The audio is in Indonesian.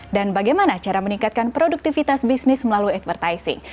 dan bagaimana cara meningkatkan produktivitas bisnis melalui advertising